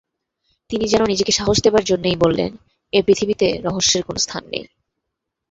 তিনি যেন নিজেকে সাহস দেবার জন্যেই বললেন, এ পৃথিবীতে রহস্যের কোনো স্থান নেই।